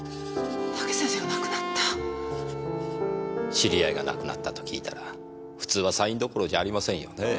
知り合いが亡くなったと聞いたら普通はサインどころじゃありませんよね。